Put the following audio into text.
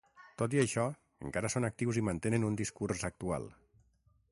Tot i això, encara són actius i mantenen un discurs actual.